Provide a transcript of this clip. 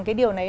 cái điều này